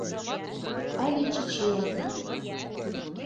Але чӱчӱлан.